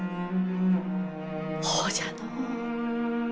ほうじゃのう。